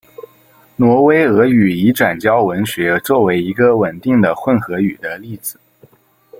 挪威俄语已转交文学作为一个稳定的混合语的例子。